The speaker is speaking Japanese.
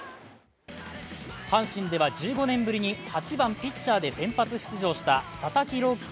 阪神では１５年ぶりに８番ピッチャーで先発出場した佐々木朗希